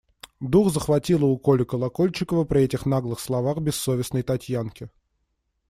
Дух захватило у Коли Колокольчикова при этих наглых словах бессовестной Татьянки.